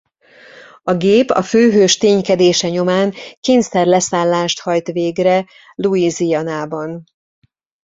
A gép a főhős ténykedése nyomán kényszerleszállást hajt végre Louisianaban.